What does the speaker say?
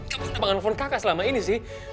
kamu udah panggil telepon kakak selama ini sih